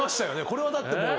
これはだってもう。